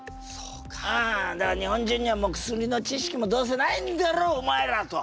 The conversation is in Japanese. うんだから「日本人にはもう薬の知識もどうせないんだろお前ら」と。